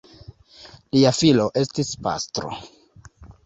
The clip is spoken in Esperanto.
Lia filo estis pastro.